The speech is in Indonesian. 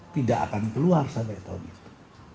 tidak akan keluar sampai tahun itu